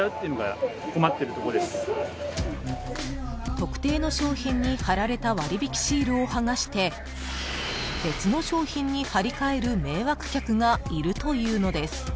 ［特定の商品に貼られた割引シールを剥がして別の商品に貼り替える迷惑客がいるというのです］